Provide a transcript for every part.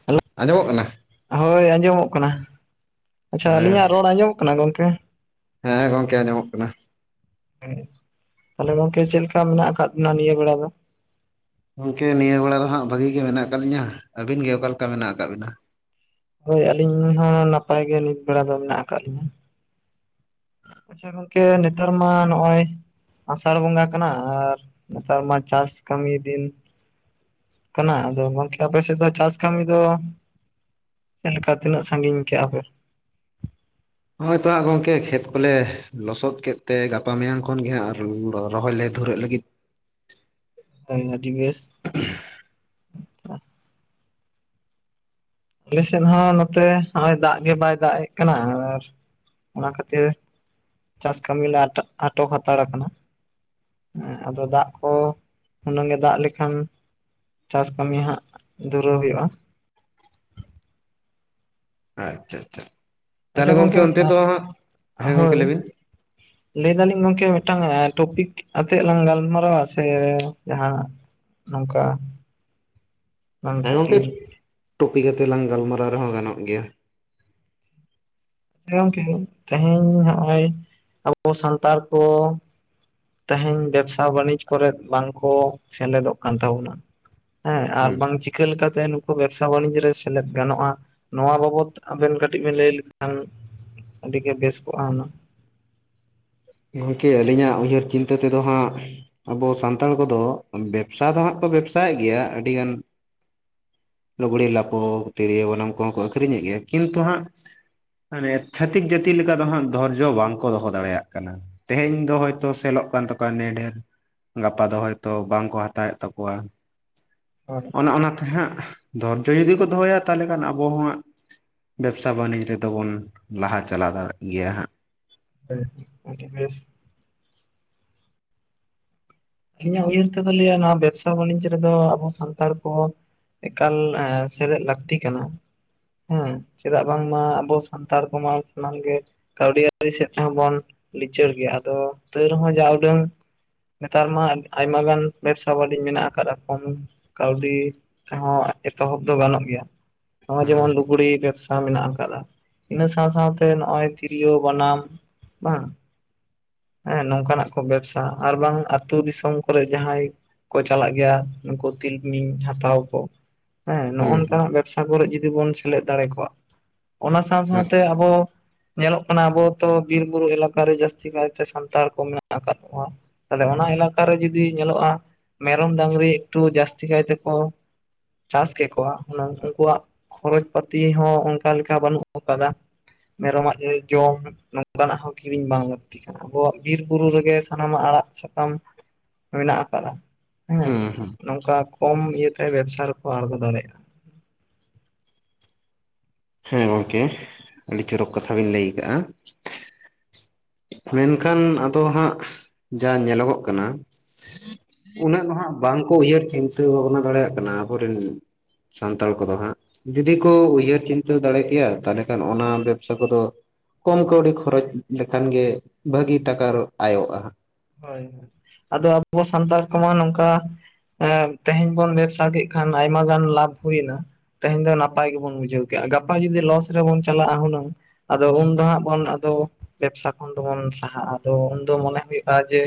Hello ᱟᱸᱡᱚᱢᱚᱜ ᱠᱟᱱᱟ ᱦᱳᱭ ᱟᱸᱡᱚᱢᱚᱜ ᱠᱟᱱᱟ ᱟᱪᱪᱷᱟ ᱦᱮᱸ ᱟᱹᱞᱤᱧᱟᱜ ᱨᱚᱲ ᱟᱸᱡᱚᱢᱚᱜ ᱠᱟᱱᱟ ᱜᱚᱝᱠᱮ ᱦᱮᱸ ᱜᱚᱝᱠᱮ ᱟᱸᱡᱚᱢᱚᱜ ᱠᱟᱱᱟ ᱦᱮᱸ ᱛᱟᱦᱞᱮ ᱜᱚᱝᱠᱮ ᱪᱮᱫ ᱞᱮᱠᱟ ᱢᱮᱱᱟᱜ ᱟᱠᱟᱫ ᱵᱮᱱᱟ ᱱᱤᱭᱟᱹ ᱵᱮᱲᱟ ᱫᱚ᱾ ᱜᱚᱝᱠᱮ ᱱᱤᱭᱟᱹ ᱵᱮᱲᱟ ᱫᱚ ᱦᱟᱸᱜ ᱵᱷᱟᱹᱜᱤ ᱜᱮ ᱢᱮᱱᱟᱜ ᱟᱠᱟᱫ ᱞᱤᱧᱟᱹ ᱟᱹᱵᱤᱱ ᱜᱮ ᱚᱠᱟ ᱞᱮᱠᱟ ᱢᱮᱱᱟᱜ ᱟᱠᱟᱫ ᱵᱤᱱᱟ᱾ ᱦᱳᱭ ᱟᱹᱞᱤᱧ ᱦᱚᱸ ᱱᱟᱯᱟᱭ ᱜᱮ ᱱᱤᱛ ᱵᱮᱲᱟ ᱫᱚ ᱢᱮᱱᱟᱜ ᱟᱠᱟᱫ ᱞᱤᱧᱟᱹ ᱟᱪᱪᱷᱟ ᱜᱚᱝᱠᱮ ᱱᱮᱛᱟᱨ ᱢᱟ ᱱᱚᱜ-ᱚᱭ ᱟᱥᱟᱲ ᱵᱚᱸᱜᱟ ᱠᱟᱱᱟ ᱟᱨ ᱱᱮᱛᱟᱨ ᱢᱟ ᱪᱟᱥ ᱠᱟᱹᱢᱤ ᱫᱤᱱ ᱠᱟᱱᱟ ᱟᱫᱚ ᱜᱚᱝᱠᱮ ᱟᱯᱮ ᱥᱮᱫ ᱫᱚ ᱪᱟᱥ ᱠᱟᱹᱢᱤ ᱫᱚ ᱪᱮᱞᱠᱟ ᱛᱤᱱᱟᱹᱜ ᱥᱟᱺᱜᱤᱧ ᱠᱮᱜ-ᱟ ᱯᱮ᱾ ᱦᱳᱭ ᱛᱚ ᱦᱟᱸᱜ ᱜᱚᱝᱠᱮ ᱠᱷᱮᱛ ᱠᱚᱞᱮ ᱞᱚᱥᱚᱫ ᱠᱮᱫ ᱛᱮ ᱜᱟᱯᱟ ᱢᱮᱭᱟᱝ ᱠᱷᱚᱱ ᱜᱮ ᱦᱟᱸᱜ ᱟᱨ ᱨᱚᱦᱚᱭ ᱞᱮ ᱫᱷᱩᱨᱟᱹᱜ ᱞᱟᱹᱜᱤᱫ᱾ ᱦᱳᱭ ᱟᱹᱰᱤ ᱵᱮᱥ ᱟᱞᱮᱥᱮᱫ ᱦᱚᱸ ᱱᱚᱛᱮ ᱱᱚᱜ-ᱚᱭ ᱫᱟᱜ ᱜᱮ ᱵᱟᱭ ᱫᱟᱜ ᱮᱫ ᱠᱟᱱᱟ ᱟᱨ ᱚᱱᱟ ᱠᱷᱟᱹᱛᱤᱨ ᱪᱟᱥ ᱠᱟᱹᱢᱤᱞᱮ ᱟᱴᱚᱠ ᱟᱴᱚᱠ ᱦᱟᱛᱟᱲ ᱠᱟᱱᱟ ᱦᱮᱸ ᱟᱫᱚ ᱫᱟᱜ ᱠᱚ ᱦᱩᱱᱟᱹᱝ ᱜᱮ ᱫᱟᱜ ᱞᱮᱠᱷᱟᱱ ᱪᱟᱥ ᱠᱟᱹᱢᱤ ᱦᱟᱸᱜ ᱫᱩᱨᱟᱹᱣ ᱦᱩᱭᱩᱜ-ᱟ᱾ ᱟᱪᱪᱷᱟ ᱟᱪᱪᱷᱟ ᱛᱟᱦᱚᱞᱮ ᱜᱚᱝᱠᱮ ᱚᱱᱛᱮ ᱫᱚ ᱦᱟᱸᱜ ᱦᱮᱸ ᱜᱚᱝᱠᱮ ᱦᱳᱭ ᱞᱟᱹᱭ ᱵᱤᱱ ᱞᱟᱹᱭ ᱫᱟᱞᱤᱧ ᱜᱚᱝᱠᱮ ᱢᱤᱫ ᱴᱟᱝ ᱴᱚᱯᱤᱠ ᱟᱛᱮᱫ ᱞᱟᱝ ᱜᱟᱞᱢᱟᱨᱟᱣᱟ ᱥᱮ ᱡᱟᱦᱟ ᱱᱚᱝᱠᱟ [inaudible] ᱦᱮᱸ ᱜᱚᱝᱠᱮ ᱴᱚᱯᱤᱠ ᱟᱛᱮᱜ ᱞᱟᱝ ᱜᱟᱞᱢᱟᱨᱟᱣ ᱨᱮᱦᱚᱸ ᱜᱟᱱᱚᱜ ᱜᱮᱭᱟ᱾ ᱦᱮᱸ ᱜᱚᱝᱠᱮ ᱛᱮᱦᱮᱧ ᱱᱚᱜᱼᱚᱭ ᱟᱵᱚ ᱥᱟᱱᱛᱟᱲ ᱠᱚ ᱛᱮᱦᱮᱧ ᱵᱮᱵᱽᱥᱟ ᱵᱟᱹᱱᱤᱡᱽ ᱠᱚᱨᱮᱫ ᱵᱟᱝᱠᱚ ᱥᱮᱞᱮᱫᱚᱜ ᱠᱟᱱ ᱛᱟᱵᱚᱱᱟ ᱦᱮᱸ ᱟᱨ ᱵᱟᱝ ᱪᱤᱠᱟᱹ ᱞᱮᱠᱟᱛᱮ ᱱᱩᱠᱩ ᱵᱮᱵᱥᱟ ᱵᱟᱱᱤᱡᱽ ᱨᱮ ᱥᱮᱞᱮᱫ ᱜᱟᱱᱚᱜᱼᱟ᱾ ᱱᱚᱣᱟ ᱵᱟᱵᱚᱫ ᱟᱵᱮᱱ ᱠᱟᱹᱴᱤᱡ ᱵᱮᱱ ᱞᱟᱹᱭ ᱞᱮᱠᱷᱟᱱ ᱟᱹᱰᱤᱜᱮ ᱵᱮᱥ ᱠᱚᱜᱼᱟ ᱦᱩᱱᱟᱹᱝ ᱜᱚᱝᱠᱮ ᱟᱹᱞᱤᱧᱟᱜ ᱩᱭᱦᱟᱹᱨ ᱪᱤᱱᱛᱟᱹ ᱛᱮᱫᱚ ᱦᱟᱸᱜ ᱟᱵᱚ ᱥᱟᱱᱛᱟᱲ ᱠᱚᱫᱚ ᱵᱮᱵᱽᱥᱟ ᱫᱚ ᱦᱟᱸᱜ ᱠᱚ ᱵᱮᱵᱽᱥᱟᱭᱮᱫ ᱜᱮᱭᱟ ᱟᱹᱰᱤ ᱜᱟᱱ ᱞᱩᱜᱽᱲᱤ ᱞᱟᱯᱚ, ᱛᱤᱨᱭᱳ, ᱵᱟᱱᱟᱢ, ᱠᱚ ᱦᱚᱸ ᱠᱚ ᱟᱹᱠᱷᱨᱤᱧᱮᱫ ᱜᱮᱭᱟ ᱠᱤᱱᱛᱩ ᱦᱟᱸᱜ ᱢᱟᱱᱮ ᱪᱷᱟᱛᱤᱠ ᱡᱟᱹᱛᱤ ᱞᱮᱠᱟ ᱫᱚ ᱦᱟᱸᱜ ᱫᱷᱳᱨᱡᱚ ᱵᱟᱝᱠᱚ ᱫᱚᱦᱚ ᱫᱟᱲᱮᱭᱟᱜᱼᱟ᱾ ᱠᱟᱱᱟ ᱛᱮᱦᱮᱧ ᱫᱚ ᱦᱳᱭᱛᱚ ᱥᱮᱞᱚᱜ ᱠᱟᱱ ᱛᱟᱠᱚᱣᱟ ᱱᱸᱰᱷᱮᱨ ᱜᱟᱯᱟ ᱫᱚ ᱦᱳᱭᱛᱚ ᱵᱟᱝᱠᱚ ᱦᱟᱛᱟᱣᱮᱫ ᱛᱟᱠᱚᱣᱟ ᱦᱳᱭ ᱚᱱᱮ ᱚᱱᱟᱛᱮ ᱦᱟᱸᱜ ᱫᱷᱳᱨᱡᱚ ᱡᱩᱫᱤ ᱠᱚ ᱫᱚᱦᱚᱭᱟ ᱛᱟᱦᱚᱞᱮ ᱠᱷᱟᱱ ᱟᱵᱚ ᱦᱟᱸᱜ ᱵᱮᱵᱽᱥᱟ ᱵᱟᱹᱱᱤᱡᱽ ᱨᱮᱫᱚ ᱵᱚᱱ ᱞᱟᱦᱟ ᱪᱟᱞᱟᱣ ᱫᱟᱲᱮᱭᱟᱜ ᱜᱮᱭᱟ ᱦᱟᱸᱜ ᱦᱮ ᱟᱹᱰᱤ ᱵᱮᱥ ᱟᱹᱞᱤᱧᱟᱜ ᱩᱭᱦᱟᱹᱨ ᱛᱮᱫᱚ ᱞᱟᱹᱭᱟ ᱱᱚᱣᱟ ᱵᱮᱵᱽᱥᱟ ᱵᱟᱹᱱᱤᱡᱽ ᱨᱮᱫᱚ ᱟᱵᱚ ᱥᱟᱱᱛᱟᱲ ᱠᱚ ᱮᱠᱟᱞ ᱮᱸ ᱥᱮᱞᱮᱫ ᱞᱟᱹᱠᱛᱤ ᱠᱟᱱᱟ᱾ ᱦᱮᱸ ᱪᱮᱫᱟᱜ ᱵᱟᱝᱢᱟ ᱟᱵᱚ ᱥᱟᱱᱛᱟᱲ ᱠᱚᱢᱟ ᱥᱟᱱᱟᱢ ᱜᱮ ᱠᱟᱹᱣᱰᱤ ᱟᱨᱡᱟᱣ ᱥᱮᱫ ᱛᱮᱦᱚᱸ ᱵᱚᱱ ᱞᱤᱪᱟᱹᱲ ᱜᱮᱭᱟ ᱟᱫᱚ ᱛᱟᱹᱣ ᱨᱮᱦᱚᱸ ᱡᱟ ᱩᱰᱟᱹᱝ ᱱᱮᱛᱟᱨ ᱢᱟ ᱟᱭᱢᱟ ᱜᱟᱱ ᱵᱮᱵᱽᱥᱟ ᱵᱟᱹᱱᱤᱡᱽ ᱢᱮᱱᱟᱜ ᱟᱠᱟᱫᱼᱟ ᱠᱚᱢ ᱠᱟᱹᱣᱰᱤ ᱛᱮᱦᱚᱸ ᱮᱛᱚᱦᱚᱵ ᱫᱚ ᱜᱟᱱᱚᱜ ᱜᱮᱭᱟ ᱱᱚᱜᱼᱚᱭ ᱡᱮᱢᱚᱱ ᱦᱩᱸ ᱞᱩᱜᱽᱲᱤᱡ ᱵᱮᱵᱽᱥᱟ ᱢᱮᱱᱟᱜ ᱟᱠᱟᱫᱟ ᱤᱱᱟᱹ ᱥᱟᱶ ᱥᱟᱶ ᱛᱮ ᱱᱚᱜᱚᱭ ᱛᱤᱨᱭᱳ, ᱵᱟᱱᱟᱢ, ᱵᱟᱝ ᱦᱮᱸ ᱱᱚᱝᱠᱟᱱᱟᱜ ᱠᱚ ᱵᱮᱵᱥᱟ ᱟᱨ ᱵᱟᱝ ᱟᱹᱛᱩ ᱫᱤᱥᱚᱢ ᱠᱚᱨᱮᱜ ᱡᱟᱦᱟᱸᱭ ᱠᱚ ᱪᱟᱞᱟᱜ ᱜᱮᱭᱟ ᱱᱩᱠᱩ ᱛᱤᱞᱢᱤᱧ ᱦᱟᱛᱟᱣ ᱠᱚ ᱦᱮᱸ ᱱᱚᱜᱼᱚ ᱱᱚᱝᱠᱟ ᱱᱟᱜ ᱵᱮᱵᱥᱟ ᱠᱚᱨᱮᱜ ᱡᱩᱫᱤ ᱵᱚᱱ ᱥᱮᱞᱮᱫ ᱫᱟᱲᱮ ᱠᱟᱜ-ᱟ᱾ ᱚᱱᱟ ᱥᱟᱶ ᱦᱩᱸ ᱥᱟᱶᱛᱮ ᱟᱵᱚ ᱧᱮᱞᱚᱜ ᱠᱟᱱᱟ ᱟᱵᱚ ᱛᱚ ᱵᱤᱨ ᱵᱩᱨᱩ ᱮᱞᱟᱠᱟ ᱨᱮ ᱡᱟᱹᱥᱛᱤ ᱠᱟᱭᱛᱮ ᱥᱟᱱᱛᱟᱲ ᱠᱚ ᱢᱮᱱᱟᱜ ᱟᱠᱟᱫ ᱠᱚᱣᱟ᱾ ᱛᱟᱦᱞᱮ ᱚᱱᱟ ᱮᱞᱟᱠᱟ ᱨᱮ ᱡᱩᱫᱤ ᱧᱮᱞᱚᱜᱼᱟ ᱢᱮᱨᱚᱢ, ᱰᱟᱸᱝᱨᱤ ᱮᱠᱴᱩ ᱡᱟᱹᱥᱛᱤ ᱠᱟᱭᱛᱮ ᱠᱚ ᱪᱟᱥ ᱠᱮᱜ ᱠᱚᱣᱟ ᱦᱩᱱᱟᱹᱝ ᱩᱱᱠᱩᱣᱟᱜ ᱠᱷᱚᱨᱚᱪ ᱯᱟᱹᱛᱤ ᱦᱚᱸ ᱚᱱᱠᱟ ᱞᱮᱠᱟ ᱵᱟᱹᱱᱩᱜ ᱟᱠᱟᱫᱟ, ᱢᱮᱨᱚᱢᱟᱜ ᱡᱮ ᱡᱚᱢ ᱱᱚᱝᱠᱟᱱᱟᱜ ᱦᱚᱸ ᱠᱤᱨᱤᱧ ᱵᱟᱝ ᱞᱟᱹᱠᱛᱤ ᱟᱵᱚᱣᱟᱜ ᱵᱤᱨ ᱵᱩᱨᱩ ᱨᱮᱜᱮ ᱥᱟᱱᱟᱢᱟᱜ ᱟᱲᱟᱜ ᱥᱟ ᱠᱟᱢ, ᱢᱮᱱᱟᱜ ᱟᱠᱟᱫᱟ ᱦᱮᱸ᱾ ᱦᱩᱸ ᱦᱩᱸ ᱱᱚᱝᱠᱟ ᱠᱚᱢ [unintelligible] ᱵᱮᱵᱽᱥᱟ ᱨᱮᱠᱚ ᱟᱬᱜᱚ ᱫᱟᱲᱮᱭᱟᱜᱼᱟ᱾ ᱦᱮᱸ ᱜᱚᱝᱠᱮ, ᱟᱹᱰᱤ ᱪᱚᱨᱚᱠ ᱠᱟᱛᱷᱟ ᱵᱤᱱ ᱞᱟᱹᱭ ᱠᱟᱜᱼᱟ᱾ ᱢᱮᱱᱠᱷᱟᱱ ᱟᱫᱚ ᱦᱟᱸᱜ ᱡᱟ ᱧᱮᱞᱚᱜᱚᱜ ᱠᱟᱱᱟ᱾ ᱩᱱᱟᱹᱜ ᱫᱚ ᱱᱟᱦᱟᱜ ᱵᱟᱝᱠᱚ ᱩᱭᱦᱟᱹᱨ ᱪᱤᱱᱛᱟᱹ ᱵᱷᱟᱵᱽᱱᱟ ᱫᱟᱲᱮᱭᱟᱜ ᱠᱟᱱᱟ ᱟᱵᱚ ᱨᱮᱱ ᱥᱟᱱᱛᱟᱲ ᱠᱚᱫᱚ ᱦᱟᱸᱜ, ᱡᱩᱫᱤ ᱠᱚ ᱩᱭᱦᱟᱹᱨ ᱪᱤᱱᱛᱟᱹ ᱫᱟᱲᱮ ᱠᱮᱭᱟ, ᱛᱟᱦᱚᱞᱮ ᱠᱷᱟᱱ ᱚᱱᱟ ᱵᱮᱵᱽᱥᱟ ᱠᱚᱫᱚ ᱠᱚᱢ ᱠᱟᱹᱣᱰᱤ ᱠᱷᱚᱨᱚᱪ ᱞᱮᱠᱷᱟᱱ ᱜᱮ ᱵᱷᱟᱹᱜᱤ ᱴᱟᱠᱟ ᱟᱭᱚᱜᱼᱟ ᱦᱟᱸᱜ᱾ ᱦᱳᱭ ᱦᱳᱭ, ᱟᱫᱚ ᱟᱵᱚ ᱥᱟᱱᱛᱟᱲ ᱠᱚᱢᱟ ᱱᱚᱝᱠᱟ ᱮᱸ ᱛᱮᱦᱮᱧ ᱵᱚᱱ ᱵᱮᱵᱽᱥᱟ ᱠᱮᱜ ᱠᱷᱟᱱ ᱟᱭᱢᱟ ᱜᱟᱱ ᱞᱟᱵᱷ ᱦᱩᱭᱱᱟ, ᱛᱮᱦᱮᱧ ᱫᱚ ᱱᱟᱯᱟᱭ ᱜᱮᱵᱚᱱ ᱵᱩᱡᱷᱟᱹᱣ ᱠᱮᱜᱼᱟ, ᱜᱟᱯᱟ ᱡᱩᱫᱤ ᱞᱚᱥ ᱨᱮᱵᱚᱱ ᱪᱟᱞᱟᱜᱼᱟ ᱦᱩᱱᱟᱹᱝ ᱟᱫᱚ ᱩᱱᱫᱚ ᱦᱟᱸᱜ ᱵᱚᱱ ᱟᱫᱚ, ᱵᱮᱵᱽᱥᱟ ᱠᱷᱚᱱ ᱫᱚᱵᱚᱱ ᱥᱟᱦᱟᱜᱼᱟ ᱟᱫᱚ ᱩᱱᱫᱚ ᱢᱚᱱᱮ [unintelligible] ᱟ ᱡᱮ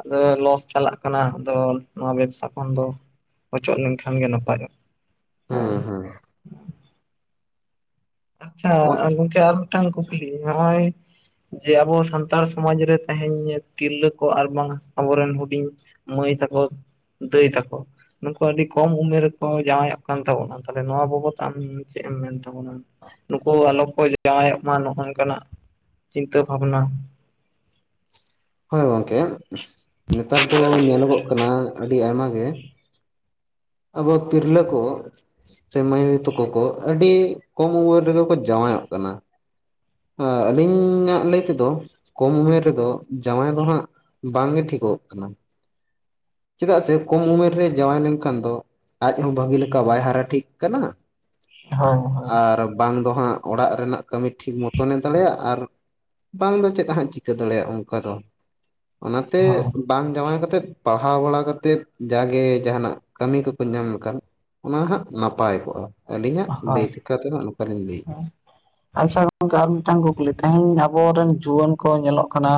ᱟᱫᱚ ᱞᱚᱥ ᱪᱟᱞᱟᱜ ᱠᱟᱱᱟ ᱟᱫᱚ ᱱᱚᱣᱟ ᱵᱮᱵᱽᱥᱟ ᱠᱷᱚᱱ ᱫᱚ ᱚᱪᱚᱜ ᱞᱮᱱᱠᱷᱟᱱ ᱜᱮ ᱱᱟᱯᱟᱭᱚᱜ, ᱦᱮᱸ᱾ ᱟᱪᱪᱷᱟ, ᱟᱨ ᱜᱚᱝᱠᱮ ᱟᱨ ᱢᱤᱫᱴᱟᱝ ᱠᱩᱠᱞᱤ ᱱᱚᱜ-ᱚᱭ ᱡᱮ ᱟᱵᱚ ᱥᱟᱱᱛᱟᱲ ᱥᱚᱢᱟᱡᱽ ᱨᱮ ᱛᱮᱦᱮᱧ ᱛᱤᱨᱞᱟᱹ ᱠᱚ ᱟᱨ ᱵᱟᱝ ᱟᱵᱚ ᱨᱮᱱ ᱦᱩᱰᱤᱧ ᱢᱟᱹᱭ ᱛᱟᱠᱚ, ᱫᱟᱹᱭ ᱛᱟᱠᱚ᱾ ᱱᱩᱠᱩ ᱟᱹᱰᱤ ᱠᱚᱢ ᱩᱢᱮᱨ ᱨᱮᱠᱚ ᱡᱟᱶᱟᱭᱚᱜ ᱠᱟᱱ ᱛᱟᱵᱚᱱᱟ, ᱛᱟᱦᱞᱮ ᱱᱚᱣᱟ ᱵᱟᱵᱚᱫ ᱟᱢ ᱪᱮᱫ ᱮᱢ ᱢᱮᱱ ᱛᱟᱵᱚᱱᱟ? ᱱᱩᱠᱩ ᱟᱞᱚ ᱠᱚ ᱡᱟᱶᱟᱭᱚᱜ ᱢᱟ ᱱᱚᱜ-ᱚ ᱱᱚᱝᱠᱟᱱᱟᱜ, ᱪᱤᱱᱛᱟᱹ ᱵᱷᱟᱵᱽᱱᱟ? ᱦᱳᱭ ᱜᱚᱝᱠᱮ, ᱱᱮᱛᱟᱨ ᱫᱚ ᱧᱮᱞᱚᱜᱚᱜ ᱠᱟᱱᱟ ᱟᱹᱰᱤ ᱟᱭᱢᱟ ᱜᱮ ᱟᱵᱚ ᱛᱤᱨᱞᱟᱹ ᱠᱚ ᱥᱮ ᱢᱟᱹᱭ ᱵᱟᱵᱩ ᱛᱟᱠᱚ ᱠᱚ ᱟᱹᱰᱤ ᱠᱚᱢ ᱩᱢᱮᱨ ᱨᱮᱜᱮ ᱠᱚ ᱡᱟᱶᱟᱭᱚᱜ ᱠᱟᱱᱟ, ᱟ ᱟᱹᱞᱤᱧᱟᱜ ᱞᱟᱹᱭ ᱛᱮᱫᱚ, ᱠᱚᱢ ᱩᱢᱮᱨ ᱨᱮᱫᱚ ᱡᱟᱶᱟᱭ ᱫᱚ ᱦᱟᱸᱜ ᱵᱟᱝ ᱜᱮ ᱴᱷᱤᱠᱚᱜ ᱠᱟᱱᱟ᱾ ᱪᱮᱫᱟᱜ ᱥᱮ ᱠᱚᱢ ᱩᱢᱮᱨ ᱨᱮ ᱡᱟᱶᱟᱭ ᱞᱮᱱᱠᱷᱟᱱ ᱫᱚ, ᱟᱡ ᱦᱚᱸ ᱵᱷᱟᱹᱜᱤ ᱞᱮᱠᱟ ᱵᱟᱭ ᱦᱟᱨᱟ ᱴᱷᱤᱠ ᱠᱟᱱᱟ, ᱦᱳᱭ ᱦᱳᱭ ᱟᱨ ᱵᱟᱝ ᱫᱚ ᱦᱟᱸᱜ ᱚᱲᱟᱜ ᱨᱮᱱᱟᱜ ᱠᱟᱹᱢᱤ ᱴᱷᱤᱠ ᱢᱚᱛᱚᱱᱮ ᱫᱟᱲᱮᱭᱟᱜ ᱟᱨ ᱵᱟᱝ ᱫᱚ ᱪᱮᱫ ᱦᱟᱸᱜ ᱪᱤᱠᱟᱹ ᱫᱟᱲᱮᱭᱟᱜᱼᱟ ᱚᱝᱠᱟ ᱫᱚ᱾ ᱚᱱᱟᱛᱮ ᱦᱳᱭ ᱵᱟᱝ ᱡᱟᱶᱟᱭ ᱠᱟᱛᱮᱫ ᱯᱟᱲᱦᱟᱣ ᱵᱟᱲᱟ ᱠᱟᱛᱮᱫ ᱡᱟᱜᱮ ᱡᱟᱦᱟᱸᱱᱟᱜ ᱠᱟᱹᱢᱤ ᱠᱚᱠᱚ ᱧᱟᱢ ᱞᱮᱠᱷᱟᱱ ᱚᱱᱟ ᱦᱟᱸᱜ ᱱᱟᱯᱟᱭ ᱠᱚᱜᱼᱟ᱾ ᱟᱹᱞᱤᱧᱟᱜ ᱞᱟᱹᱭ ᱦᱳᱭ ᱛᱮᱠᱟ ᱛᱮᱫᱚ ᱱᱚᱝᱠᱟ ᱞᱤᱧ ᱞᱟᱹᱭᱮᱜᱼᱟ᱾ ᱟᱪᱪᱷᱟ ᱜᱚᱝᱠᱮ ᱟᱨ ᱢᱤᱫᱴᱟᱝ ᱠᱩᱠᱞᱤ, ᱛᱮᱦᱮᱧ ᱟᱵᱚ ᱨᱮᱱ ᱡᱩᱣᱟᱹᱱ ᱠᱚ ᱧᱮᱞᱚᱜ ᱠᱟᱱᱟ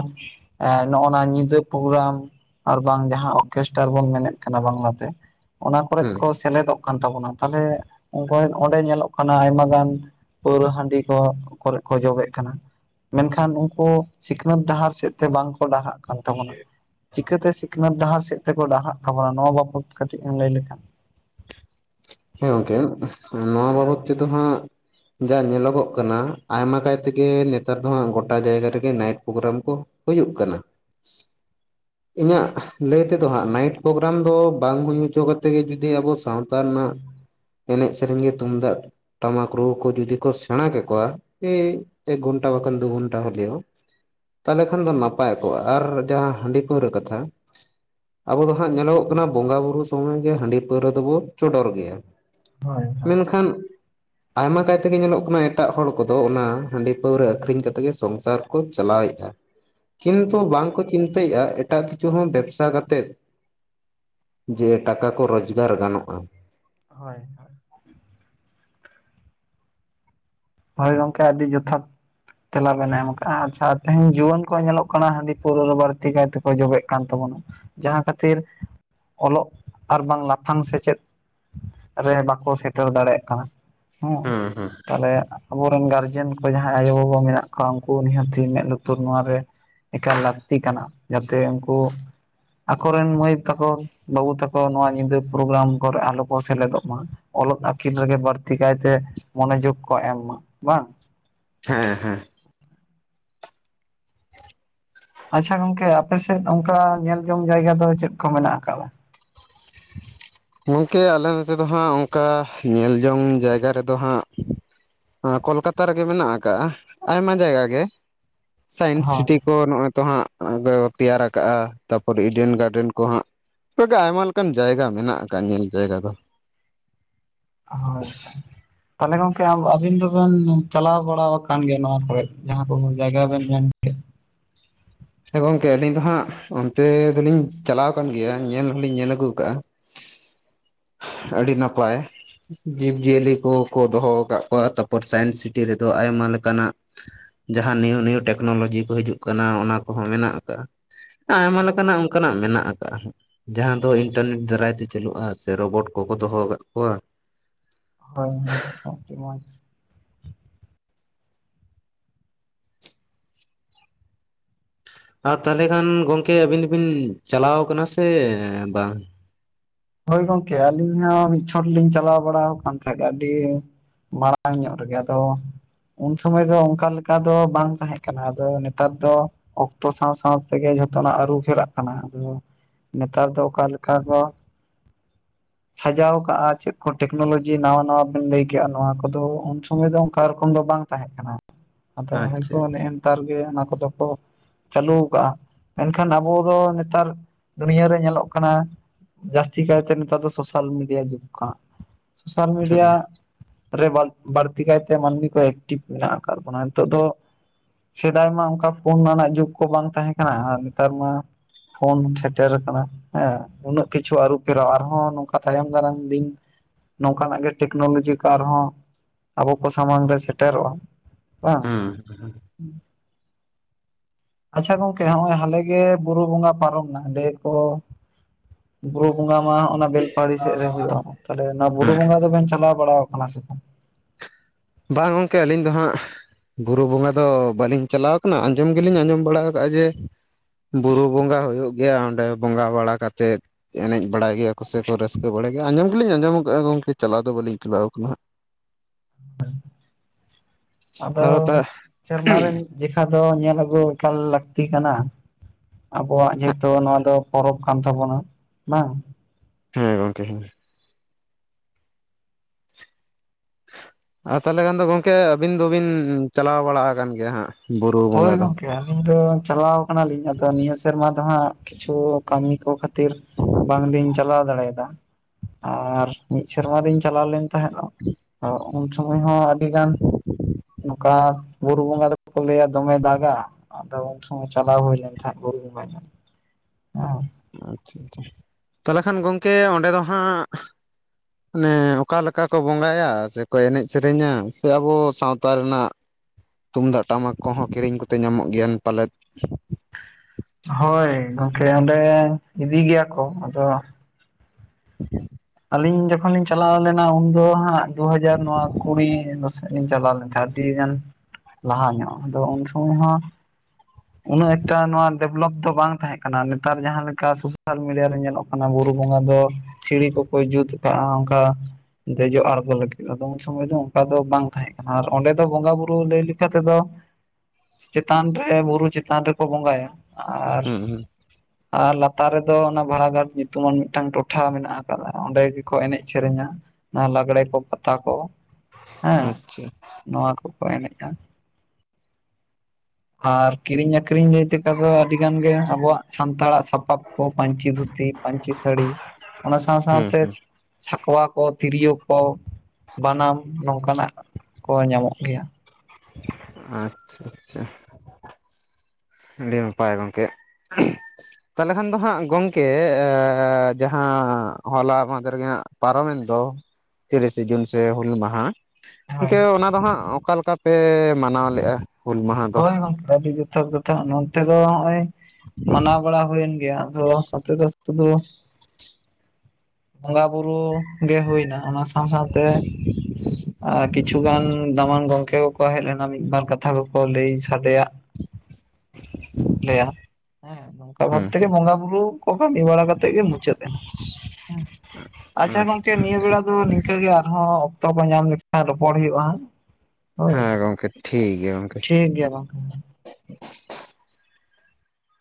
ᱮᱸ ᱱᱚᱜ-ᱱᱟ ᱧᱤᱫᱟᱹ ᱯᱨᱳᱜᱨᱟᱢ ᱟᱨ ᱵᱟᱝ ᱡᱟᱦᱟᱸ ᱚᱨᱠᱮᱥᱴᱟᱨ ᱵᱚᱱ ᱢᱮᱱᱮᱫ ᱠᱟᱱᱟ ᱵᱟᱝᱞᱟᱛᱮ, ᱚᱱᱟ ᱠᱚᱨᱮᱫ ᱦᱮᱸ ᱠᱚ ᱥᱮᱞᱮᱫᱚᱜ ᱠᱟᱱ ᱛᱟᱵᱚᱱᱟ ᱛᱟᱦᱚᱞᱮ ᱠᱚᱭᱮᱠ ᱚᱸᱰᱮ ᱧᱮᱞᱚᱜ ᱠᱟᱱᱟ ᱟᱭᱢᱟ ᱜᱟᱱ, ᱯᱟᱹᱣᱨᱟᱹ ᱦᱟᱺᱰᱤ ᱠᱚ ᱠᱚᱨᱮᱜ ᱠᱚ ᱡᱚᱵᱮᱜ ᱠᱟᱱᱟ᱾ ᱢᱮᱱᱠᱷᱟᱱ ᱩᱱᱠᱩ ᱥᱤᱠᱷᱱᱟᱹᱛ ᱰᱟᱦᱟᱨ ᱥᱮᱫ ᱛᱮ ᱵᱟᱝ ᱠᱚ ᱰᱟᱦᱨᱟᱜ ᱠᱟᱱ ᱛᱟᱵᱚᱱᱟ᱾ ᱪᱤᱠᱟᱹᱛᱮ ᱥᱤᱠᱷᱱᱟᱹᱛ ᱰᱟᱦᱟᱨ ᱥᱮᱫ ᱛᱮᱠᱚ ᱰᱟᱦᱟᱨᱟᱜ ᱛᱟᱵᱚᱱᱟ ᱱᱚᱣᱟ ᱵᱟᱵᱚᱫ ᱠᱟᱹᱴᱤᱡ ᱮᱢ ᱞᱟᱹᱭ ᱞᱮᱠᱷᱟᱱ? ᱦᱮᱸ ᱜᱚᱝᱠᱮ ᱱᱚᱣᱟ ᱵᱟᱵᱚᱫ ᱛᱮᱫᱚ ᱦᱟᱸᱜ ᱡᱟ ᱧᱮᱞᱚᱜᱚᱜ ᱠᱟᱱᱟ, ᱟᱭᱢᱟ ᱠᱟᱭ ᱛᱮᱜᱮ ᱱᱮᱛᱟᱨ ᱫᱚ ᱦᱟᱸᱜ ᱜᱚᱴᱟ ᱡᱟᱭᱜᱟ ᱨᱮᱜᱮ ᱱᱟᱭᱤᱴ ᱯᱨᱳᱜᱨᱟᱢ ᱠᱚ ᱦᱩᱭᱩᱜ ᱠᱟᱱᱟ᱾ ᱤᱧᱟᱹᱜ ᱞᱟᱹᱭ ᱛᱮᱫᱚ ᱦᱟᱸᱜ ᱱᱟᱭᱤᱴ ᱯᱳᱜᱨᱟᱢ ᱫᱚ ᱵᱟᱝ ᱦᱩᱭ ᱦᱚᱪᱚ ᱠᱟᱛᱮ ᱜᱮ ᱡᱩᱫᱤ ᱟᱵᱚ ᱥᱟᱶᱛᱟ ᱨᱮᱱᱟᱜ ᱮᱱᱮᱡ ᱥᱮᱨᱮᱧ ᱜᱮ ᱛᱩᱢᱫᱟᱜ ᱴᱟᱢᱟᱠ ᱨᱩ ᱠᱚ ᱡᱩᱫᱤ ᱠᱚ ᱥᱮᱬᱟ ᱠᱮᱠᱚᱣᱟ᱾ ᱮ ᱮᱠ ᱜᱷᱚᱱᱴᱟ ᱵᱟᱠᱷᱟᱱ ᱫᱩ ᱜᱷᱚᱱᱴᱟ ᱦᱚᱞᱮᱣᱳ᱾ ᱛᱟᱦᱞᱮ ᱠᱷᱟᱱ ᱫᱚ ᱱᱟᱯᱟᱭ ᱠᱚᱜᱼᱟ, ᱟᱨ ᱡᱟᱦᱟᱸ ᱦᱟᱺᱰᱤ ᱯᱟᱹᱣᱨᱟᱹ ᱠᱟᱛᱷᱟ ᱟᱵᱚ ᱫᱚ ᱦᱟᱸᱜ ᱧᱮᱞᱚᱜᱚᱜ ᱠᱟᱱᱟ ᱵᱚᱸᱜᱟ ᱵᱩᱨᱩ ᱥᱚᱢᱚᱭ ᱜᱮ ᱦᱟᱺᱰᱤ ᱯᱟᱹᱣᱨᱟᱹ ᱫᱚᱵᱚ ᱪᱚᱰᱚᱨ ᱜᱮᱭᱟ᱾ ᱦᱳᱭ ᱦᱳᱭ ᱢᱮᱱᱠᱷᱟᱱ ᱟᱭᱢᱟ ᱠᱟᱭᱛᱮᱜᱮ ᱧᱮᱞᱚᱜ ᱠᱟᱱᱟ ᱮᱴᱟᱜ ᱦᱚᱲ ᱠᱚᱫᱚ ᱚᱱᱟ ᱦᱟᱺᱰᱤ ᱯᱟᱹᱣᱨᱟᱹ ᱟᱠᱷᱨᱤᱧ ᱠᱟᱛᱮᱜ ᱜᱮ ᱥᱚᱝᱥᱟᱨ ᱠᱚ ᱪᱟᱞᱟᱣᱮᱜᱼᱟ᱾ ᱠᱤᱱᱛᱩ ᱵᱟᱝᱠᱚ ᱪᱤᱱᱛᱟᱹᱭᱮᱜᱼᱟ ᱮᱴ ᱴᱟᱜ ᱠᱤᱪᱷᱩ ᱦᱚᱸ ᱵᱮᱵᱽᱥᱟ ᱠᱟᱛᱮᱫ ᱡᱮ ᱴᱟᱠᱟ ᱠᱚ ᱨᱚᱡᱽᱜᱟᱨ ᱜᱟᱱᱚᱜᱼᱟ᱾ ᱦᱳᱭ ᱦᱳᱭ ᱦᱚᱭ ᱜᱚᱝᱠᱮ ᱟᱹᱰᱤ ᱡᱚᱛᱷᱟᱛ ᱛᱮᱞᱟ ᱵᱮᱱ ᱮᱢ ᱠᱟᱜᱼᱟ, ᱟᱪᱪᱷᱟ ᱛᱮᱦᱮᱧ ᱡᱩᱣᱟᱹᱱ ᱠᱚ ᱧᱮᱞᱚᱜ ᱠᱟᱱᱟ ᱦᱟᱺᱰᱤ ᱯᱟᱹᱣᱨᱟᱹ ᱨᱮ ᱵᱟᱹᱲᱛᱤ ᱠᱟᱭᱛᱮᱠᱚ ᱡᱚᱵᱮᱜ ᱠᱟᱱ ᱛᱟᱵᱚᱱᱟ᱾ ᱡᱟᱦᱟᱸ ᱠᱷᱟᱹᱛᱤᱨ ᱚᱞᱚᱜ ᱟᱨ ᱵᱟᱝ ᱞᱟᱯᱷᱟᱝ ᱥᱮᱪᱮᱫ ᱨᱮ ᱵᱟᱠᱚ ᱥᱮᱴᱮᱨ ᱫᱟᱲᱮᱭᱟᱜ ᱠᱟᱱᱟ ᱦᱮᱸ ᱛᱟᱦᱞᱮ ᱟᱵᱚᱨᱮᱱ ᱜᱟᱨᱡᱮᱱ ᱠᱚ ᱡᱟᱦᱟᱸᱭ ᱟᱭᱳ-ᱵᱟᱵᱟ ᱢᱮᱱᱟᱜ ᱠᱚᱣᱟ ᱩᱝᱠᱩ ᱱᱤᱦᱟᱹᱛᱤ ᱢᱮᱸᱫ ᱞᱩᱛᱩᱨ ᱱᱚᱣᱟ ᱨᱮ ᱮᱠᱟᱞ ᱞᱟᱹᱠᱛᱤ ᱠᱟᱱᱟ, ᱡᱟᱛᱮ ᱩᱝᱠᱩ ᱟᱠᱚᱨᱮᱱ ᱢᱟᱹᱭ ᱛᱟᱠᱚ ᱵᱟᱹᱵᱩ ᱛᱟᱠᱚ ᱱᱚᱣᱟ ᱧᱤᱫᱟᱹ ᱯᱨᱳᱜᱨᱟᱢ ᱠᱚᱨᱮ ᱟᱞᱚ ᱠᱚ ᱥᱮᱞᱮᱫᱚᱜ ᱢᱟ᱾ ᱚᱞᱚᱜ ᱟᱹᱠᱤᱞ ᱨᱮᱜᱮ ᱵᱟᱹᱲᱛᱤ ᱠᱟᱭᱛᱮ ᱢᱚᱱᱚᱡᱳᱜᱽ ᱠᱚ ᱮᱢ ᱢᱟ ᱵᱟᱝ? ᱦᱮᱸ ᱦᱮᱸ ᱟᱪᱪᱷᱟ ᱜᱚᱝᱠᱮ ᱟᱯᱮᱥᱮᱫ ᱚᱝᱠᱟ ᱧᱮᱞ ᱡᱚᱝ ᱡᱟᱭᱜᱟ ᱫᱚ ᱪᱮᱫ ᱠᱚ ᱢᱮᱱᱟᱜ ᱟᱠᱟᱫᱟ? ᱜᱚᱝᱠᱮ ᱟᱞᱮ ᱱᱚᱛᱮ ᱫᱚ ᱦᱟᱸᱜ ᱚᱝᱠᱟ ᱧᱮᱞ ᱡᱚᱝ ᱡᱟᱭᱜᱟ ᱨᱮᱫᱚ ᱦᱟᱸᱜ ᱮᱸ ᱠᱳᱞᱠᱟᱛᱟ ᱨᱮᱜᱮ ᱢᱮᱱᱟᱜ ᱠᱟᱜᱼᱟ ᱟᱭᱢᱟ ᱡᱟᱭᱜᱟ ᱜᱮ ᱥᱟᱭᱮᱱ ᱦᱳᱭ ᱥᱤᱴᱤᱠ ᱠᱚ ᱱᱚᱜᱼᱚᱭ ᱛᱚ ᱦᱟᱸᱜᱞᱮ ᱛᱮᱭᱟᱨ ᱠᱟᱜᱼᱟ ᱛᱟᱯᱚᱨ ᱤᱰᱮᱱ ᱜᱟᱨᱰᱮᱱ ᱠᱚ ᱦᱟᱸᱜ᱾ ᱠᱟᱜᱮ ᱟᱭᱢᱟ ᱞᱮᱠᱟᱱ ᱡᱟᱭᱜᱟ ᱢᱮᱱᱟᱜ ᱠᱟᱜᱼᱟ ᱧᱮᱞ ᱡᱟᱭᱜᱟ ᱫᱚ᱾ ᱦᱚᱭ ᱛᱚ᱾ ᱛᱟᱦᱞᱮ ᱜᱚᱝᱠᱮ ᱟ-ᱟᱵᱤᱱ ᱫᱚᱵᱮᱱ ᱪᱟᱞᱟᱣ ᱵᱟᱲᱟᱮ ᱠᱟᱱ ᱜᱮᱭᱟ ᱱᱚᱣᱟ ᱠᱚᱨᱮᱡ ᱡᱟᱦᱟᱸ ᱠᱚ ᱡᱟᱭᱜᱟ ᱵᱮᱱ ᱢᱮᱱ ᱠᱮᱫ? ᱦᱮᱸ ᱜᱚᱝᱠᱮ ᱟᱹᱞᱤᱧ ᱫᱚ ᱦᱟᱸᱜ ᱚᱱᱛᱮ ᱫᱚᱞᱤᱧ ᱪᱟᱞᱟᱣ ᱠᱟᱱ ᱜᱮᱭᱟ, ᱧᱮᱞ ᱦᱚᱞᱤᱧ ᱧᱮᱞ ᱟᱹᱜᱩᱣ ᱠᱟᱜᱼᱟ᱾ [inaudible] ᱟᱹᱰᱤ ᱱᱟᱯᱟᱭ᱾ ᱡᱤᱵᱽᱡᱤᱭᱟᱹᱞᱤ ᱠᱚᱠᱚ ᱫᱚᱦᱚᱣ ᱠᱟᱜ ᱠᱚᱣᱟ ᱛᱟᱯᱚᱨ ᱥᱟᱭᱮᱱᱥ ᱥᱤᱴᱤ ᱨᱮᱫᱚ ᱟᱭᱢᱟ ᱞᱮᱠᱟᱱᱟᱜ ᱡᱟᱦᱟᱸ ᱱᱤᱭᱩ ᱱᱤᱭᱩ ᱴᱮᱠᱱᱳᱞᱚᱡᱤ ᱠᱚ ᱦᱤᱡᱩᱜ ᱠᱟᱱᱟ ᱚᱱᱟ ᱠᱚᱦᱚᱸ ᱢᱮᱱᱟᱜ ᱠᱟᱜᱼᱟ᱾ ᱟᱭᱢᱟ ᱞᱮᱠᱟᱱᱟᱜ ᱚᱝᱠᱟᱱᱟᱜ ᱢᱮᱱᱟᱜ ᱠᱟᱜᱼᱟ ᱦᱟᱸᱜ᱾ ᱡᱟᱦᱟᱸ ᱫᱚ ᱤᱱᱴᱟᱨᱱᱮᱴ ᱫᱟᱨᱟᱭ ᱛᱮ ᱪᱟᱹᱞᱩᱜᱼᱟ ᱥᱮ ᱨᱚᱵᱚᱴ ᱠᱚᱠᱚ ᱫᱚᱦᱚᱣ ᱠᱟᱫ ᱠᱚᱣᱟ᱾ ᱦᱳᱭ ᱦᱳᱭ ᱟᱹᱰᱤ ᱢᱚᱡᱽ᱾ ᱟᱨ ᱛᱟᱦᱞᱮ ᱠᱷᱟᱱ ᱜᱚᱝᱠᱮ ᱟᱹᱵᱤᱱ ᱫᱚᱵᱤᱱ ᱪᱟᱞᱟᱣ ᱠᱟᱱᱟ ᱥᱮ ᱵᱟᱝ? ᱦᱳᱭ ᱜᱚᱝᱠᱮ ᱟᱹᱞᱤᱧ ᱦᱚᱸ ᱢᱤᱫ ᱪᱷᱚᱴ ᱞᱤᱧ ᱪᱟᱞᱟᱣ ᱵᱟᱲᱟᱣ ᱠᱟᱱ ᱛᱟᱦᱮᱸᱫ ᱟᱹᱰᱤ ᱢᱟᱲᱟᱝ ᱧᱚᱜ ᱨᱮᱜᱮ ᱟᱫᱚ ᱩᱱ ᱥᱚᱢᱚᱭ ᱫᱚ ᱚᱝᱠᱟ ᱞᱮᱠᱟ ᱫᱚ ᱵᱟᱝ ᱛᱟᱦᱮᱸ ᱠᱟᱱᱟ, ᱟᱫᱚ ᱱᱮᱛᱟᱨ ᱫᱚ ᱚᱠᱛᱚ ᱥᱟᱶ ᱥᱟᱶ ᱛᱮᱜᱮ ᱡᱷᱚᱛᱚᱱᱟᱜ ᱟᱹᱨᱩ ᱯᱷᱮᱨᱟᱜ ᱠᱟᱱᱟ, ᱟᱫᱚ ᱱᱮᱛᱟᱨ ᱫᱚ ᱚᱠᱟ ᱞᱮᱠᱟ ᱠᱚ ᱥᱟᱡᱟᱣ ᱠᱟᱜᱼᱟ ᱪᱮᱫ ᱠᱚ ᱴᱮᱠᱱᱳᱞᱚᱡᱤ ᱱᱟᱣᱟ ᱱᱟᱣᱟ ᱵᱮᱱ ᱞᱟᱹᱭ ᱠᱮᱜᱼᱟ ᱱᱚᱣᱟ ᱠᱚᱫᱚ ᱩᱱ ᱥᱚᱢᱚᱭ ᱫᱚ ᱚᱝᱠᱟ ᱨᱚᱠᱚᱢ ᱫᱚ ᱵᱟᱝ ᱛᱟᱦᱮᱸᱜ ᱠᱟᱱᱟ, ᱟᱫᱚ ᱦᱚᱛ ᱟᱪᱪᱷᱟ ᱱᱮᱜᱼᱮ ᱱᱮᱛᱟᱨ ᱜᱮ ᱚᱱᱟ ᱠᱚᱫᱚ ᱠᱚ ᱪᱟᱹᱞᱩᱣ ᱠᱟᱜᱼᱟ ᱢᱮᱱᱠᱷᱟᱱ ᱟᱵᱚ ᱫᱚ ᱱᱮᱛᱟᱨ ᱫᱩᱱᱭᱟᱹ ᱨᱮ ᱧᱮᱞᱚᱜ ᱠᱟᱱᱟ ᱡᱟᱹᱥ ᱛᱤ ᱠᱟᱭᱛᱮ ᱱᱮᱛᱟᱨ ᱫᱚ ᱥᱳᱥᱟᱞ ᱢᱤᱰᱤᱭᱟ ᱡᱩᱜᱽ ᱠᱟᱱᱟ, ᱥᱳᱥᱟᱞ ᱟᱪᱪᱷᱟ ᱢᱤᱰᱤᱭᱟ ᱨᱮ ᱵᱟᱹᱲᱛᱤ ᱠᱟᱭᱛᱮ ᱢᱟᱹᱱᱢᱤ ᱠᱚ ᱮᱠᱴᱤᱵᱷ ᱢᱮᱱᱟᱜ ᱟᱠᱟᱫ ᱵᱚᱱᱟ ᱱᱤᱛᱚᱜ ᱫᱚ ᱥᱮᱫᱟᱭ ᱢᱟ ᱚᱱᱠᱟ ᱯᱳᱱ ᱱᱟᱱᱟᱜ ᱡᱩᱜᱽ ᱠᱚ ᱵᱟᱝ ᱛᱟᱦᱮᱸ ᱠᱟᱱᱟ ᱟᱨ ᱱᱮᱛᱟᱨ ᱢᱟ ᱯᱷᱳᱱ ᱥᱮᱴᱮᱨ ᱟᱠᱟᱱᱟ ᱦᱮᱸ ᱩᱱᱟᱹᱜ ᱠᱤᱪᱷᱩ ᱟᱹᱨᱩ- ᱯᱷᱮᱨᱚᱜ ᱟᱨᱦᱚᱸ ᱱᱚᱝᱠᱟ ᱛᱟᱭᱚᱢ ᱫᱟᱨᱟᱢ ᱫᱤᱱ ᱱᱚᱝᱠᱟᱱᱟᱜ ᱜᱮ ᱴᱮᱠᱱᱳᱞᱚᱡᱤ ᱠᱚ ᱟᱨᱦᱚᱸ ᱟᱵᱚ ᱠᱚ ᱥᱟᱢᱟᱝ ᱨᱮ ᱥᱮᱴᱮᱨᱚᱜᱼᱟ᱾ ᱵᱟᱝ ᱦᱩᱸ ᱦᱩᱸ [inaudible] ᱟᱪᱪᱷᱟ ᱜᱚᱝᱠᱮ ᱦᱚᱸᱜᱼᱚᱭ ᱦᱟᱞᱮ ᱜᱮ ᱵᱩᱨᱩ ᱵᱚᱸᱜᱟ ᱯᱟᱨᱚᱢ ᱮᱱᱟ ᱞᱟᱹᱭᱟ ᱠᱚ ᱵᱩᱨᱩ ᱵᱚᱸᱜᱟ ᱢᱟ ᱦᱚᱸ ᱚᱱᱟ ᱵᱮᱞᱯᱟᱦᱟᱲᱤ ᱥᱮᱫ ᱨᱮ ᱦᱩᱭᱩᱜᱼᱟ᱾ ᱛᱟᱦᱞᱮ ᱚᱱᱟ ᱵᱩᱨᱩ ᱵᱚᱸᱜᱟ ᱫᱚᱵᱮᱱ ᱪᱟᱞᱟᱣ ᱵᱟᱲᱟᱣ ᱠᱟᱱᱟ ᱥᱮ ᱵᱟᱝ? ᱵᱟᱝ ᱜᱚᱝᱠᱮ ᱟᱹᱞᱤᱧ ᱫᱚ ᱦᱟᱸᱜ ᱵᱩᱨᱩ ᱵᱚᱸᱜᱟ ᱫᱚ ᱵᱟᱹᱞᱤᱧ ᱪᱟᱞᱟᱣ ᱠᱟᱱᱟ ᱟᱸᱡᱚᱢ ᱜᱮᱞᱤᱧ ᱟᱸᱡᱚᱢ ᱵᱟᱲᱟ ᱠᱟᱜᱼᱟ ᱡᱮ ᱵᱩᱨᱩ ᱵᱚᱸᱜᱟ ᱦᱩᱭᱩᱜ ᱜᱮᱭᱟ ᱚᱸᱰᱮ ᱵᱚᱸᱜᱟ ᱵᱟᱲᱟ ᱠᱟᱛᱮᱫ ᱮᱱᱮᱡ ᱵᱟᱲᱟᱭ ᱜᱮᱭᱟ ᱠᱚ ᱥᱮ ᱠᱚ ᱨᱟᱹᱥᱠᱟᱹ ᱵᱟᱲᱟᱭ ᱜᱮᱭᱟ ᱟᱸᱚᱢ ᱜᱮᱞᱤᱧ ᱟᱸᱡᱚᱢ ᱠᱟᱜᱼᱟ ᱜᱚᱝᱠᱮ ᱪᱟᱞᱟᱣ ᱫᱚ ᱵᱟᱟᱹᱞᱤᱧ ᱪᱟᱞᱟᱣ ᱠᱟᱱᱟ ᱦᱟᱸᱜ [inaudible] ᱟᱫᱚ ᱦᱟᱸᱜ ᱟᱨ ᱥᱮᱨᱢᱟ ᱨᱮ ᱢᱤᱫ ᱡᱮᱠᱷᱟ ᱫᱚ ᱧᱮᱞ ᱟᱹᱜᱩ ᱮᱠᱟᱞ ᱞᱟᱹᱠᱛᱤ ᱠᱟᱱᱟ᱾ ᱟᱵᱚᱣᱟᱜ ᱡᱮᱦᱮᱛᱚ ᱱᱚᱣᱟ ᱫᱚ ᱯᱚᱨᱚᱵᱽ ᱠᱟᱱ ᱛᱟᱵᱚᱱᱟ ᱵᱟᱝ ᱦᱮᱸ ᱜᱚᱝᱠᱮ ᱟᱨ ᱛᱟᱦᱞᱮ ᱠᱷᱟᱱ ᱫᱚ ᱜᱚᱝᱠᱮ ᱟᱹᱵᱤᱱ ᱫᱚᱵᱤᱱ ᱪᱟᱞᱟᱣ ᱵᱟᱲᱟ ᱟᱠᱟᱱ ᱜᱮᱭᱟ ᱦᱟᱸᱜ ᱵᱩᱨᱩ ᱦᱳᱭ ᱵᱚᱸᱜᱟ ᱫᱚ ᱜᱚᱝᱠᱮ ᱟᱹᱞᱤᱧ ᱫᱚ ᱪᱟᱞᱟᱣ ᱠᱟᱱᱟᱞᱤᱧ ᱟᱫᱚ ᱱᱤᱭᱟᱹ ᱥᱮᱨᱢᱟ ᱫᱚ ᱦᱟᱸᱜ ᱠᱤᱪᱷᱩ ᱠᱟᱹᱢᱤ ᱠᱚ ᱠᱷᱟᱹ ᱛᱤᱨ ᱵᱟᱝ ᱞᱤᱧ ᱪᱟᱞᱟᱣ ᱫᱟᱲᱮ ᱟᱫᱟ ᱟᱨ ᱢᱤᱫ ᱥᱮᱨᱢᱟ ᱞᱤᱧ ᱪᱟᱞᱟᱣ ᱞᱮᱱ ᱛᱟᱦᱮᱱᱟᱜ ᱟᱫᱚ ᱩᱱ ᱥᱚᱢᱚᱭ ᱦᱚᱸ ᱟᱹᱰᱤ ᱜᱟᱱ ᱱᱚᱠᱟ ᱵᱩᱨᱩ ᱵᱚᱸᱜᱟ ᱫᱚ ᱠᱚ ᱞᱟᱹᱭᱟ᱾ ᱫᱚᱢᱮ ᱫᱟᱜᱼᱟ ᱟᱫᱚ ᱩᱱ ᱥᱚᱢᱚᱭ ᱪᱟᱞᱟᱣ ᱦᱩᱭ ᱞᱮᱱ ᱛᱟᱦᱮᱸᱫ ᱜᱩᱨᱩ ᱵᱚᱸᱜᱟ ᱧᱮᱞ ᱦᱮᱸ ᱟᱪᱪᱷᱟ ᱟᱪᱪᱷᱟ ᱛᱟᱦᱚᱞᱮ ᱠᱷᱟᱱ ᱜᱚᱝᱠᱮ ᱚᱸᱰᱮ ᱫᱚ ᱦᱟᱸᱜ ᱚᱱᱮ ᱚᱠᱟ ᱞᱮᱠᱟ ᱠᱚ ᱵᱚᱸᱜᱟᱭᱟ ᱥᱮ ᱠᱚ ᱮᱱᱮᱡ ᱥᱮᱨᱮᱧᱟ ᱥᱮ ᱟᱵᱚ ᱥᱟᱶᱛᱟ ᱨᱮᱱᱟᱜ ᱛᱩᱢᱫᱟᱜ ᱴᱟᱢᱟᱠ ᱠᱚᱦᱚᱸ ᱠᱤᱨᱤᱧ ᱠᱚᱛᱮ ᱧᱟᱢᱚᱜ ᱜᱮᱭᱟᱱ ᱯᱟᱞᱮᱫ ᱦᱳᱭ ᱜᱚᱝᱠᱮ ᱚᱸᱰᱮᱻ ᱤᱫᱤ ᱜᱤᱭᱟ ᱠᱚ ᱟᱫᱚ [inaudible] ᱟᱹᱞᱤᱧ ᱡᱚᱠᱷᱚᱱ ᱞᱤᱧ ᱪᱟᱞᱟᱣ ᱞᱮᱱᱟ ᱩᱱ ᱫᱚ ᱦᱟᱸᱜ ᱫᱩ ᱦᱟᱡᱟᱨ ᱱᱚᱣᱟ ᱠᱩᱲᱤ ᱫᱚ ᱥᱮᱫ ᱞᱤᱧ ᱪᱟᱞᱟ ᱞᱮᱱ ᱛᱟᱦᱮᱫ ᱟᱹᱰᱤ ᱜᱟᱱ ᱞᱟᱦᱟ ᱧᱚᱜ ᱟᱫᱚ ᱩᱱ ᱥᱚᱢᱚᱭ ᱦᱚᱸ ᱩᱱᱟᱹᱜ ᱮᱠᱴᱟ ᱱᱚᱣᱟ ᱰᱮᱵᱷᱞᱚᱯ ᱫᱚ ᱵᱟᱝ ᱛᱟᱦᱮᱸᱜ ᱠᱟᱱᱟ ᱱᱮᱛᱟᱨ ᱡᱟᱦᱟᱸ ᱞᱮᱠᱟ ᱥᱳᱥᱟᱞ ᱢᱤᱰᱤᱭᱟ ᱨᱮ ᱧᱮᱞᱚᱜ ᱠᱟᱱᱟ ᱵᱩᱨᱩ ᱵᱚᱸᱜᱟ ᱫᱚ ᱥᱤᱲᱤ ᱠᱚ ᱠᱚ ᱡᱩᱛ ᱠᱟᱜᱼᱟ ᱚᱝᱠᱟ ᱫᱮᱡᱚᱜ ᱟᱬᱜᱚ ᱞᱟᱹᱜᱤᱫ ᱟᱫᱚ ᱩᱱ ᱥᱚᱢᱚᱭ ᱫᱚ ᱚᱱᱠᱟ ᱫᱚ ᱵᱟᱝ ᱛᱟᱦᱮᱸ ᱠᱟᱱᱟ ᱟᱨ ᱚᱸᱰᱮ ᱫᱚ ᱵᱚᱸᱜᱟ ᱵᱩᱨᱩ ᱞᱟᱹᱭ ᱞᱮᱠᱟ ᱛᱮᱫᱚ ᱪᱮᱛᱟᱱ ᱨᱮ ᱵᱩᱨᱩ ᱪᱮᱛᱟᱱ ᱨᱮᱠᱚ ᱵᱚᱸᱜᱟᱭᱟ ᱟᱨ ᱦᱩᱸ ᱦᱩᱸ ᱟᱨ ᱞᱟᱛᱟᱨ ᱨᱮᱫᱚ ᱚᱱᱟ ᱵᱷᱟᱲᱟ ᱜᱷᱟᱴ ᱧᱩᱛᱩᱢᱟᱱ ᱢᱤᱫᱴᱟᱝ ᱴᱚᱴᱷᱟ ᱢᱮᱱᱟᱜ ᱟ ᱚᱸᱰᱮ ᱜᱮᱠᱚ ᱮᱱᱮᱡ ᱥᱮᱨᱮᱧᱟ ᱚᱱᱟ ᱞᱟᱜᱽᱲᱮ ᱠᱚ, ᱯᱟᱛᱟ ᱠᱚ, ᱦᱮᱸ ᱟᱪᱪᱷᱟ ᱱᱚᱣᱟ ᱠᱚ ᱠᱚ ᱮᱱᱮᱡᱼᱟ᱾ ᱟᱨ ᱠᱤᱨᱤᱧ ᱟᱹᱠᱷᱨᱤᱧ ᱞᱟᱹᱭ ᱞᱮᱠᱟ ᱫᱚ ᱟᱹᱰᱤᱜᱟᱱ ᱜᱮ ᱟᱵᱚᱣᱟᱜ ᱥᱟᱱᱛᱟᱲᱟᱜ ᱥᱟᱯᱟᱵ ᱠᱚ ᱯᱟᱹᱧᱪᱤ ᱫᱷᱩᱛᱤ ᱯᱟᱹᱧᱪᱤ ᱥᱟᱹᱲᱤ, ᱚᱱᱟ ᱥᱟᱶ ᱦᱩᱸ ᱥᱟᱶᱛᱮ ᱦᱩᱸ ᱥᱟᱠᱣᱟ, ᱠᱚ ᱛᱤᱨᱭᱳ, ᱠᱚ ᱵᱟᱱᱟᱢ ᱱᱚᱝᱠᱟᱱᱟᱜ ᱠᱚ ᱧᱟᱢᱚᱜ ᱜᱮᱭᱟ᱾ ᱟᱪᱪᱷᱟ ᱟᱪᱪᱷᱟ ᱟᱹᱰᱤ ᱱᱟᱯᱟᱭ ᱜᱚᱝᱠᱮ [inaudible] ᱛᱟᱦᱞᱮ ᱠᱷᱟᱱ ᱫᱚ ᱦᱟᱸᱜ ᱜᱚᱝᱠᱮ ᱡᱟᱦᱟᱸ ᱦᱚᱞᱟ ᱢᱟᱸᱫᱮᱨ ᱦᱟᱸᱜ ᱯᱟᱨᱚᱢᱮᱱ ᱫᱚ ᱛᱤᱨᱤᱥᱮ ᱡᱩᱱ ᱥᱮ ᱦᱩᱞ ᱢᱟᱦᱟ ᱦᱳᱭ ᱤᱠᱷᱟᱱ ᱚᱱᱟ ᱫᱚ ᱦᱟᱸᱜ ᱚᱠᱟ ᱞᱮᱠᱟ ᱯᱮ ᱢᱟᱱᱟᱣ ᱞᱮᱫᱼᱟ᱾ ᱦᱩᱞ ᱢᱟᱦᱟ ᱫᱚ ᱦᱳᱭ ᱜᱚᱝᱠᱮ ᱟᱹᱰᱤ ᱡᱚᱛᱷᱟᱛ ᱠᱟᱛᱷᱟ ᱱᱚᱱᱛᱮ ᱫᱚ ᱱᱚᱜᱼᱚᱭ ᱢᱟᱱᱟᱣ ᱵᱟᱲᱟ ᱦᱩᱭᱮᱱ ᱜᱮᱭᱟ ᱟᱫᱚ ᱱᱚᱛᱮ ᱫᱚ ᱥᱩᱫᱩ ᱵᱚᱸᱜᱟ ᱵᱩᱨᱩ ᱜᱮ ᱦᱩᱭᱱᱟ ᱚᱱᱟ ᱥᱟᱶ ᱥᱟᱶᱛᱮ ᱠᱤᱪᱷᱩ ᱜᱟᱱ ᱫᱟᱢᱟᱱ ᱜᱚᱢᱠᱮ ᱠᱚ ᱦᱮᱡ ᱞᱮᱱᱟ ᱢᱤᱫ ᱵᱟᱨ ᱠᱟᱛᱷᱟ ᱠᱚᱠᱚ ᱞᱟᱹᱭ ᱥᱟᱰᱮᱭᱟᱜ ᱞᱮᱭᱟ᱾ ᱦᱮᱸ ᱱᱚᱝᱠᱟ ᱦᱩᱸ ᱵᱷᱟᱵ ᱛᱮᱜᱮ ᱵᱚᱸᱜᱟ ᱵᱩᱨᱩ ᱠᱚ ᱠᱟᱹᱢᱤ ᱵᱟᱲᱟ ᱠᱟᱛᱮᱜ ᱜᱮ ᱢᱩᱪᱟᱹᱫ ᱮᱱᱟ ᱦᱮᱸ ᱟᱪᱪᱷᱟ ᱜᱚᱝᱠᱮ ᱱᱤᱭᱟᱹ ᱵᱮᱲᱟ ᱫᱚ ᱱᱤᱝᱠᱟᱹ ᱜᱮ ᱟᱨᱦᱚᱸ ᱚᱠᱛᱚ ᱠᱚ ᱧᱟᱢ ᱞᱮᱠᱷᱟᱱ ᱨᱚᱯᱚᱲ ᱦᱩᱭᱩᱜᱼᱟ ᱦᱳᱭ ᱦᱮᱸ ᱜᱚᱝᱠᱮ ᱴᱷᱤᱠ ᱜᱮᱭᱟ ᱜᱚᱝᱠᱮ ᱴᱷᱤᱠ ᱜᱮᱭᱟ ᱜᱚᱝᱠᱮ